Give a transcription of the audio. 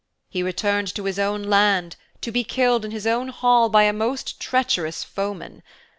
He returned to his own land, to be killed in his own hall by a most treacherous foeman.